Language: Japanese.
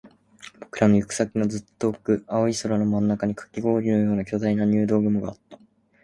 僕らの行く先のずっと遠く、青い空の真ん中にカキ氷のような巨大な入道雲があった